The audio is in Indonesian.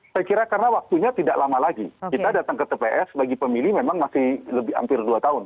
saya kira karena waktunya tidak lama lagi kita datang ke tps bagi pemilih memang masih hampir dua tahun